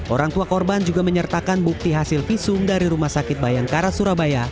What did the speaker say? orang tua korban juga menyertakan bukti hasil visum dari rumah sakit bayangkara surabaya